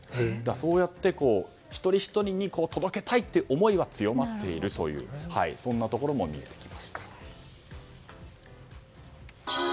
そうやって一人ひとりに届けたいという思いは強まっているというところも見えてきました。